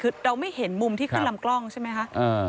คือเราไม่เห็นมุมที่ขึ้นลำกล้องใช่ไหมคะ